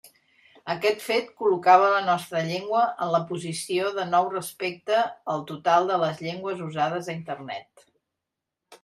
Aquest fet col·locava la nostra llengua en la posició denou respecte al total de les llengües usades a Internet.